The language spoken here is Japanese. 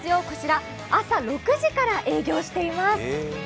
こちら、朝６時から営業しています。